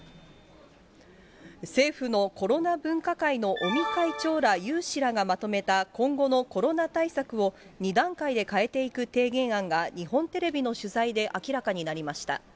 政府のコロナ分科会の尾身会長ら有志らがまとめた今後のコロナ対策を、２段階で変えていく提言案が、日本テレビの取材で明らかになりました。